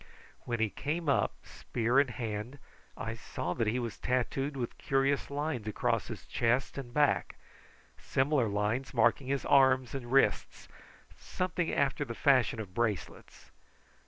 When he came up, spear in hand, I saw that he was tattooed with curious lines across his chest and back, similar lines marking his arms and wrists, something after the fashion of bracelets.